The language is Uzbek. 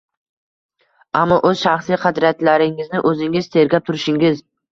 Ammo o’z shaxsiy qadriyatlaringizni o’zingiz tergab turishingiz